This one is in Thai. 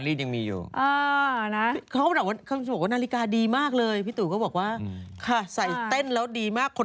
ที่โรงแปรวองเท้ามีชื่อนี้มั้ย